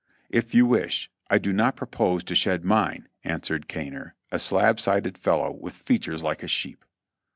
"If you wish ; I do not propose to shed mine," answered Cay nor. a slab sided fellow, with features like a sheep.